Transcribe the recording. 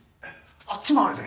あっちもあるで。